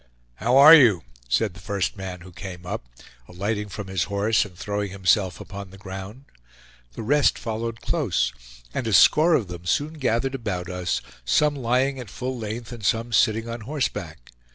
"How are you?" said the first who came up, alighting from his horse and throwing himself upon the ground. The rest followed close, and a score of them soon gathered about us, some lying at full length and some sitting on horseback.